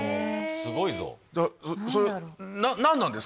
すごいぞ。